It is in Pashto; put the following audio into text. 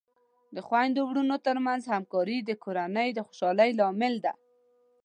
د خویندو ورونو ترمنځ همکاري د کورنۍ د خوشحالۍ لامل دی.